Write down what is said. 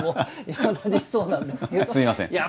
すいません。